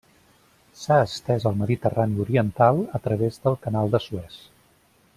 S'ha estès al Mediterrani Oriental a través del Canal de Suez.